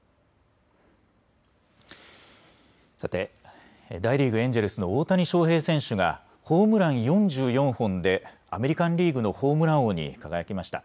さて、大リーグ、エンジェルスの大谷翔平選手がホームラン４４本でアメリカンリーグのホームラン王に輝きました。